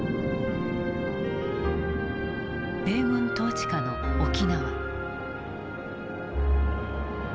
米軍統治下の沖縄。